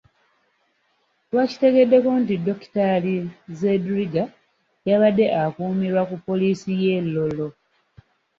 Twakitegeddeko nti Dokitaali Zedriga yabadde akuumirwa ku poliisi ye Lolo .